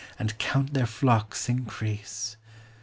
And count their flocks' increase